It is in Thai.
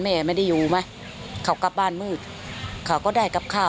แต่เราไม่รู้ว่าพ่อกระแสเขาที่ไปติดแม่ค้า